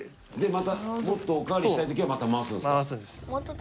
またもっとお代わりしたい時はまた回すんですか。